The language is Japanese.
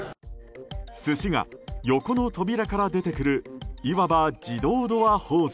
寿司が横の扉から出てくるいわば自動ドア方式。